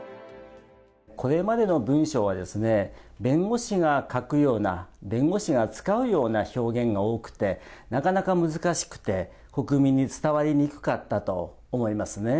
これまでの文章はですね、弁護士が書くような、弁護士が使うような表現が多くて、なかなか難しくて、国民に伝わりにくかったと思いますね。